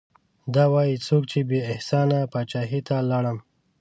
دا وايي څوک چې بې احسانه پاچاهي ته لاړم